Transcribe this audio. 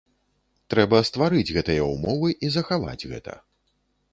Трэба стварыць гэтыя ўмовы і захаваць гэта.